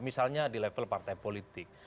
misalnya di level partai politik